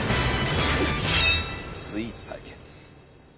スイーツ対決。